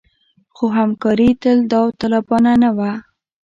خو همکاري تل داوطلبانه نه وه.